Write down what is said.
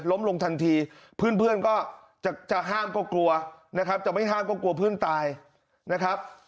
ลงทันทีเพื่อนก็จะห้ามก็กลัวนะครับจะไม่ห้ามก็กลัวเพื่อนตายนะครับ